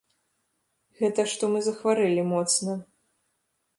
Гэта што мы захварэлі моцна.